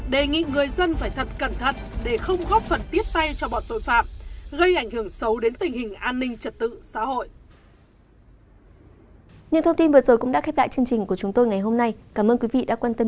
đề nghị người dân phải thật cẩn thận để không góp phần tiếp tay cho bọn tội phạm gây ảnh hưởng xấu đến tình hình an ninh trật tự xã hội